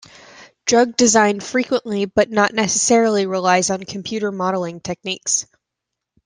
Drug design frequently but not necessarily relies on computer modeling techniques.